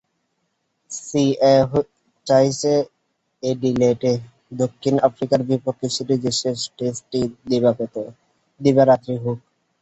CA চাইছে, অ্যাডিলেডে দক্ষিণ আফ্রিকার বিপক্ষে সিরিজের শেষ টেস্টটি দিবারাত্রি হোক।